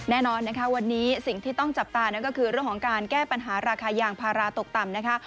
แน่นอนนะคะวันนี้สิ่งที่ต้องจับตานั่นก็คือเรื่องของการแก้ปัญหาราคายางพาราตกต่ำนะคะ